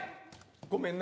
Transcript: ごめんな。